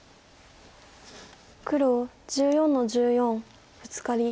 黒１４の十四ブツカリ。